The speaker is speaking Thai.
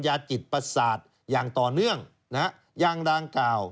จิตประสาทอย่างต่อเนื่องนะฮะยางดังกล่าว